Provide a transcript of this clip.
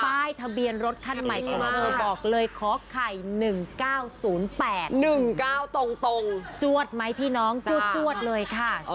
ป้ายทะเบียนรถคันใหม่ของเธอบอกเลยขอไข่๑๙๐๘๑๙ตรงจวดไหมพี่น้องจวดเลยค่ะ